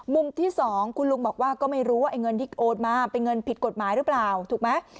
ที่๒คุณลุงบอกว่าก็ไม่รู้ว่าไอ้เงินที่โอนมาเป็นเงินผิดกฎหมายหรือเปล่าถูกไหม